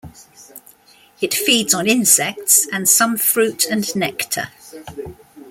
It feeds on insects and some fruit and nectar.